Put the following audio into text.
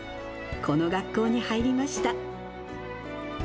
この学校に入りました。